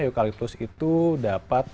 eukaliptus itu dapat